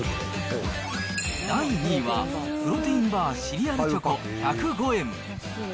第２位は、プロテインバーシリアルチョコ１０５円。